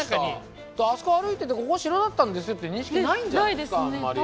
あそこ歩いててここ城だったんですよって認識ないんじゃないですかあんまり。